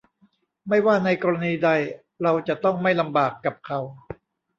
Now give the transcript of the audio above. ไม่ว่าในกรณีใดเราจะต้องไม่ลำบากกับเขา